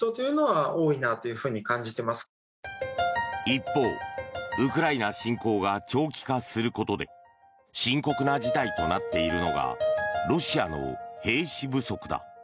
一方、ウクライナ侵攻が長期化することで深刻な事態となっているのがロシアの兵士不足だ。